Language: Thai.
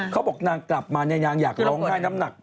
เขาบอกนางกลับมาเนี่ยนางอยากร้องไห้น้ำหนัก